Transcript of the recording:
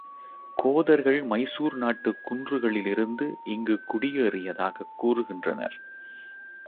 கோதர்கள் மைசூர் நாட்டுக் குன்றுகளிலிருந்து இங்குக் குடியேறியதாகக் கூறுகின்றனர்.